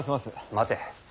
待て。